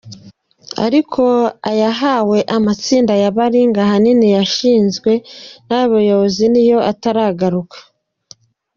Ariko ayahawe amatsinda ya baringa ahanini yashinzwe n’abayobozi niyo ataragaruka.